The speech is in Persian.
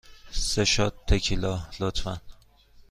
سه شات تکیلا، لطفاً.